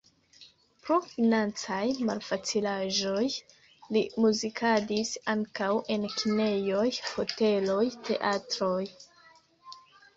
Pro financaj malfacilaĵoj li muzikadis ankaŭ en kinejoj, hoteloj, teatroj.